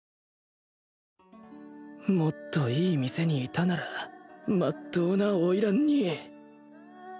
もっといい店にいたならまっとうな花魁に